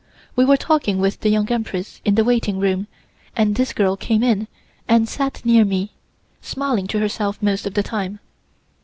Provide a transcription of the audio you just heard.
We were talking with the Young Empress in the waiting room, and this girl came in and sat near me, smiling to herself most of the time.